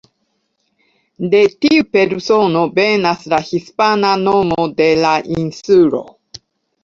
De tiu persono venas la hispana nomo de la insulo.